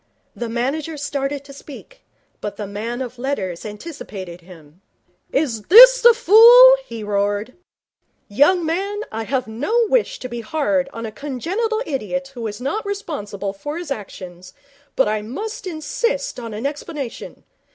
The manager started to speak, but the man of letters anticipated him. 'Is this the fool?' he roared. 'Young man, I have no wish to be hard on a congenital idiot who is not responsible for his actions, but I must insist on an explanation.